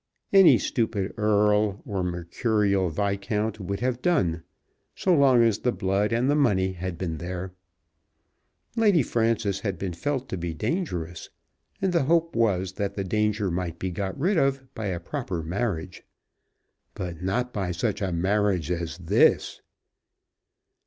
Any stupid Earl or mercurial Viscount would have done, so long as the blood and the money had been there. Lady Frances had been felt to be dangerous, and the hope was that the danger might be got rid of by a proper marriage. But not by such a marriage as this!